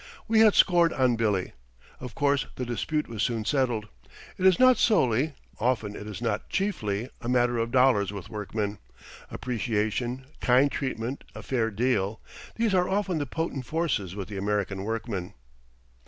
We had scored on Billy. Of course the dispute was soon settled. It is not solely, often it is not chiefly, a matter of dollars with workmen. Appreciation, kind treatment, a fair deal these are often the potent forces with the American workmen.